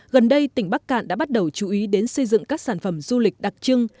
gần đây tỉnh bắc cạn đã bắt đầu chú ý đến xây dựng các sản phẩm du lịch đặc trưng